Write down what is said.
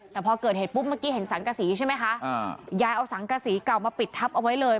แต่พอเกิดเหตุปุ๊บเมื่อกี้เห็นสังกษีใช่ไหมคะยายเอาสังกษีเก่ามาปิดทับเอาไว้เลย